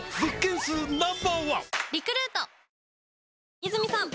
和泉さん。